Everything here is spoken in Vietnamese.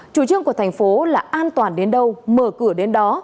chủ trương của thành phố là an toàn đến đâu mở cửa đến đó